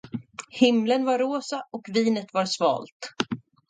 Himlen var rosa och vinet var svalt.